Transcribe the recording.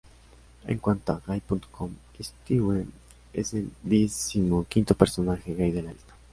En cuanto a Gay.com, Stewie es el decimoquinto personaje gay de la lista.